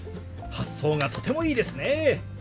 発想がとてもいいですね。